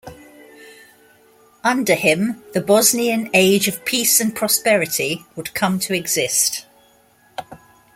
Under him, the "Bosnian Age of Peace and Prosperity" would come to exist.